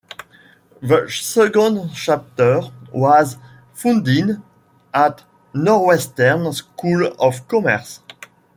The second chapter was founded at Northwestern School of Commerce.